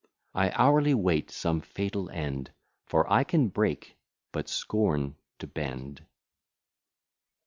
I hourly wait some fatal end; For I can break, but scorn to bend.